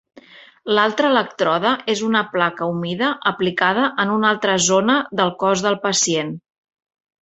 L'altre elèctrode és una placa humida aplicada en una altra zona del cos del pacient.